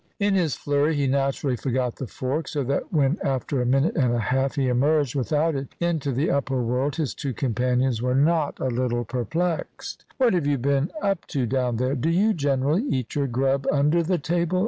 In his flurry he naturally forgot the fork; so that when, after a minute and a half, he emerged without it into the upper world, his two companions were not a little perplexed. "What have you been up to down there? Do you generally eat your grub under the table?"